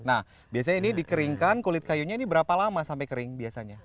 nah biasanya ini dikeringkan kulit kayunya ini berapa lama sampai kering biasanya